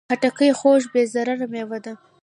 خټکی خوږه، بې ضرره مېوه ده.